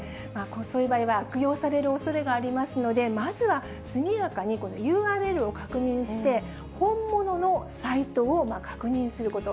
そういう場合は悪用されるおそれがありますので、まずは速やかにＵＲＬを確認して、本物のサイトを確認すること。